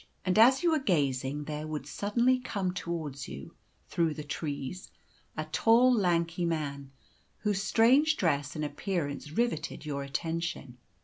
And as you were gazing, there would suddenly come towards you, through the trees, a tall, lanky man, whose strange dress and appearance riveted your attention.